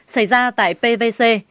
xảy ra tại pvc